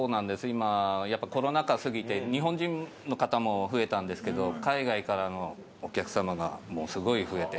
今やっぱコロナ禍過ぎて日本人の方も増えたんですけど海外からのお客様がもうすごい増えて。